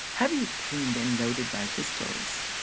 'Have you cleaned and loaded my pistols?'